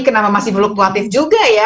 kenapa masih fluktuatif juga ya